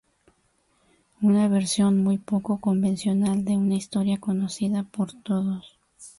Una versión muy poco convencional de una historia conocida por todos.